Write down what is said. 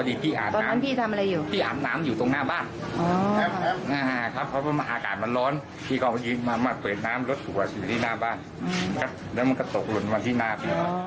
แล้วมันก็ตกหล่นมาที่หน้าไปแล้ว